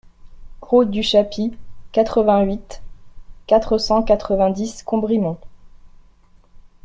Route du Chapis, quatre-vingt-huit, quatre cent quatre-vingt-dix Combrimont